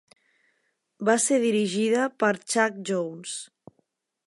Va ser dirigida per Chuck Jones.